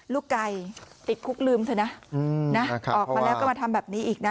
ลูกไก่ติดคุกลืมเถอะนะออกมาแล้วก็มาทำแบบนี้อีกนะ